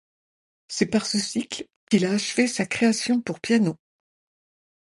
C'est par ce cycle qu'il a achevé sa création pour piano.